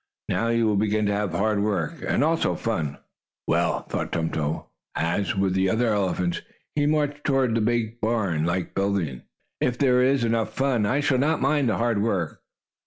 Now you will begin to have hard work, and also fun." "Well," thought Tum Tum, as, with the other elephants, he marched toward the big barn like building, "if there is enough fun, I shall not mind the hard work."